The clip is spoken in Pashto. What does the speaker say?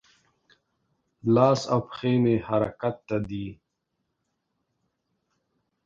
لاس او پښې مې حرکت ته دي.